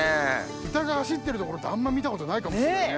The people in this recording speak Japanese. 豚が走ってるところってあんまり見たことないかもしれないね。